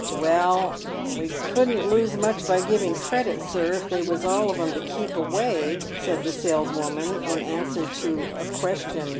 " Well, we couldn't lose much by giving credit, sir, if they was all of 'em to keep away," said the saleswoman, in answer to a question PAVED WITH GOLD.